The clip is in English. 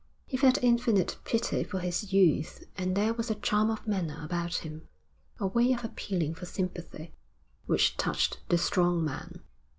He felt infinite pity for his youth, and there was a charm of manner about him, a way of appealing for sympathy, which touched the strong man.